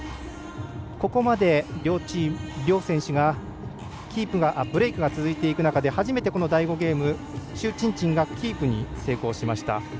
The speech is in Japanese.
ここまで両選手がブレークが続いてく中で初めて第５ゲーム朱珍珍がキープに成功しました。